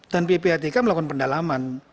dan ppatk melakukan pendalaman